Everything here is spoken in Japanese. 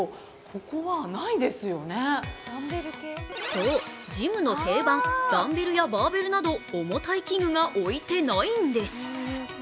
そう、ジムの定番、ダンベルやバーベルなど重たい器具が置いていないんです。